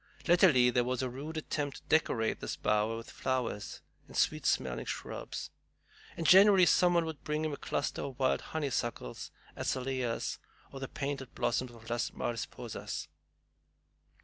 Latterly there was a rude attempt to decorate this bower with flowers and sweet smelling shrubs, and generally some one would bring him a cluster of wild honeysuckles, azaleas, or the painted blossoms of Las Mariposas.